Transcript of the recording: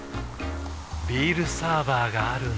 ビールサーバーがある夏。